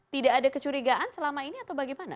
tidak ada kecurigaan selama ini atau bagaimana